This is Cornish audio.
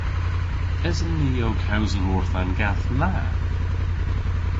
Esen ni ow kewsel orth an gath na?